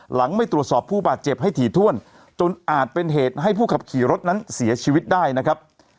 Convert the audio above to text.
หลังไม่ตรวจสอบผู้บาดเจ็บให้ถี่ถ้วนจนอาจเป็นเหตุให้ผู้ขับขี่รถนั้นเสียชีวิตได้นะครับ